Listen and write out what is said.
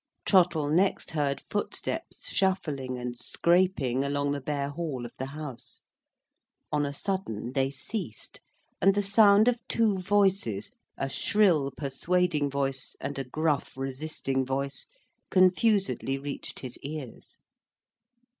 Trottle next heard footsteps shuffling and scraping along the bare hall of the house. On a sudden they ceased, and the sound of two voices—a shrill persuading voice and a gruff resisting voice—confusedly reached his ears.